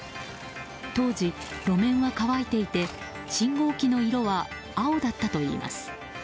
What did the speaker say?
当時、路面は乾いていて信号機の色は青だったといいます。